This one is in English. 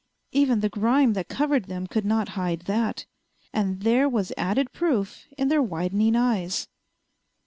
Even the grime that covered them could not hide that. And there was added proof in their widening eyes.